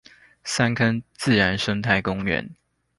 三坑自然生態公園